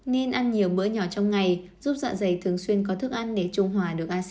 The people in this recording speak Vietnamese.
nên ăn nhiều bữa nhỏ trong ngày giúp dạ dày thường xuyên có thức ăn để trung hòa